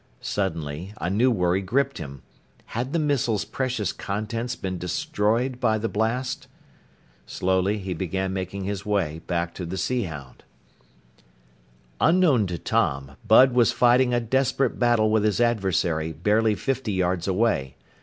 Suddenly a new worry gripped him. Had the missile's precious contents been destroyed by the blast?! Slowly he began making his way back to the Sea Hound. Unknown to Tom, Bud was fighting a desperate battle with his adversary barely fifty yards away.